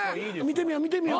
見てみよう見てみよう。